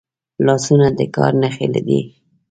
لاسونه د کار نښې لري